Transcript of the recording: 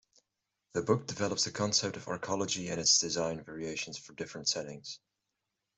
The book develops the concept of Arcology and its design variations for different settings.